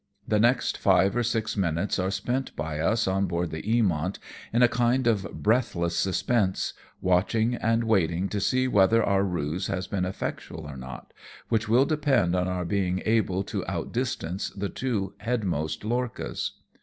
The next five or six minutes are spent by us on board the Eamont in a kind of breathless suspense, watching and waiting to see whether our ruse has been effectual or not, which will depend on our being able to out distance the two headmost lorchas.